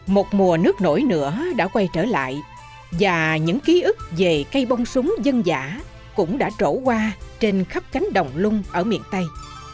một mùa nước nổi nữa đã quay trở lại và những ký ức về cây bông súng dân giả cũng đã trổ qua trên khắp cánh đồng lung ở miền tây